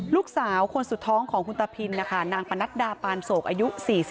ลูกสาวคนสุดท้องของคุณตาพินนะคะนางปนัดดาปานโศกอายุ๔๒